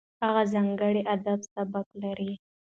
هغه ځانګړی ادبي سبک لري.